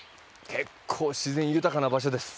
結構自然豊かな場所です。